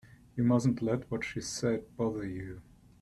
You mustn't let what she said bother you.